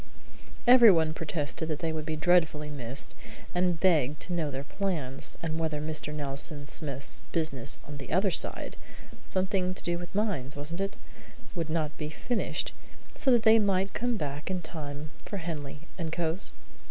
Everyone protested that they would be dreadfully missed, and begged to know their plans, and whether Mr. Nelson Smith's business on the other side (something to do with mines, wasn't it?) would not be finished, so that they might come back in time for Henley and Cowes?